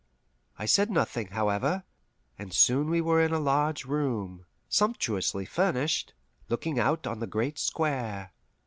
I said nothing, however, and soon we were in a large room, sumptuously furnished, looking out on the great square.